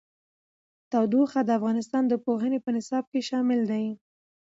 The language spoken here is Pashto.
تودوخه د افغانستان د پوهنې په نصاب کې شامل دي.